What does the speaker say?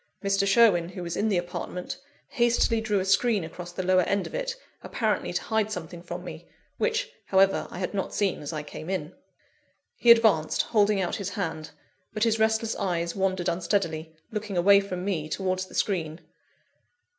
Mr. Sherwin, who was in the apartment, hastily drew a screen across the lower end of it, apparently to hide something from me; which, however, I had not seen as I came in. He advanced, holding out his hand; but his restless eyes wandered unsteadily, looking away from me towards the screen.